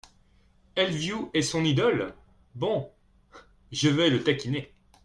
Elleviou est son idole, bon ! je vais le taquiner…